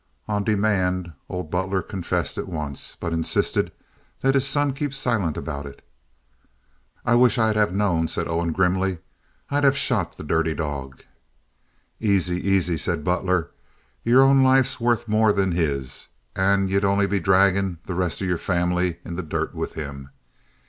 On demand, old Butler confessed at once, but insisted that his son keep silent about it. "I wish I'd have known," said Owen, grimly. "I'd have shot the dirty dog." "Aisy, aisy," said Butler. "Yer own life's worth more than his, and ye'd only be draggin' the rest of yer family in the dirt with him.